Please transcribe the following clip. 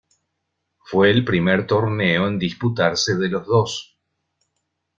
Fue el primer torneo en disputarse de los dos.